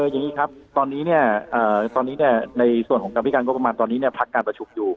อย่างนี้ครับตอนนี้ในส่วนของกรรมพิการงบประมาณตอนนี้พักการประชุมอยู่